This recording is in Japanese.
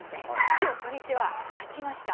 今日、初日は勝ちました。